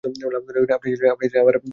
আপনি চাইলে আবার ফেলতে পারেন।